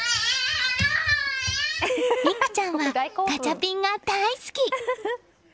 美玖ちゃんはガチャピンが大好き。